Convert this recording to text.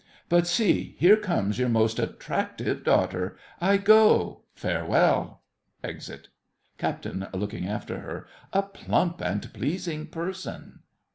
But see, here comes your most attractive daughter. I go—Farewell! [Exit. CAPT. (looking after her). A plump and pleasing person!